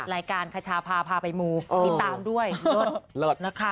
รายการคชาพาพาไปมูติดตามด้วยเลิศนะคะ